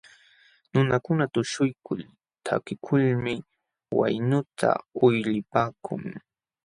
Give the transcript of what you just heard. Nunakuna tuśhuykul takiykulmi waynuta uylipaakun.